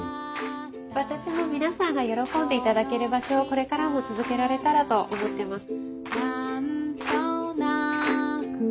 私も皆さんが喜んでいただける場所をこれからも続けられたらと思ってます。